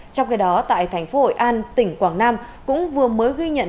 trong khi đó tại thành phố hội an tỉnh quảng nam cũng vừa mới ghi nhận